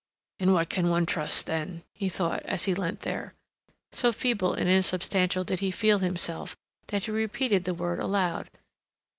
"In what can one trust, then?" he thought, as he leant there. So feeble and insubstantial did he feel himself that he repeated the word aloud.